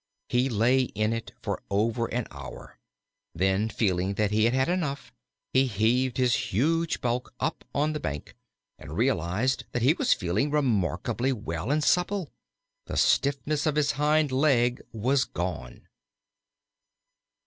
He lay in it for over an hour; then, feeling that he had had enough, he heaved his huge bulk up on the bank, and realized that he was feeling remarkably well and supple. The stiffness of his hind leg was gone.